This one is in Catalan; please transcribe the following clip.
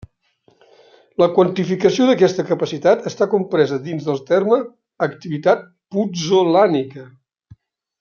La quantificació d'aquesta capacitat està compresa dins del terme activitat putzolànica.